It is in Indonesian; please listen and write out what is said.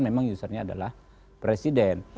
memang usernya adalah presiden